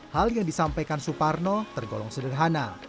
hal yang disampaikan suparno tergolong sederhana